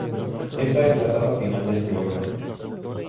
Esta es la etapa final del programa.